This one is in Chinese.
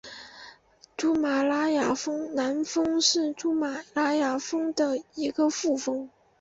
珠穆朗玛南峰是珠穆朗玛峰的一个副峰。